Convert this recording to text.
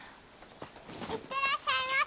行ってらっしゃいませ！